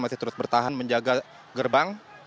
dan juga untuk menjaga gerbang